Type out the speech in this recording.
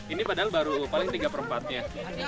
ini padahal baru paling tiga per empat nya